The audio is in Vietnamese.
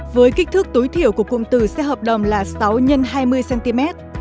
với kích thước tối thiểu của cụm từ xe hợp đồng là sáu x hai mươi cm